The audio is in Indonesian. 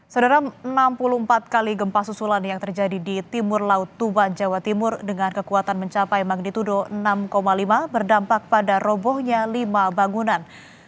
saudara enam puluh empat kali gempa susulan yang terjadi di timur laut tuban jawa timur dengan kekuatan mencapai magnitudo enam lima berdampak pada robohnya lima bangunan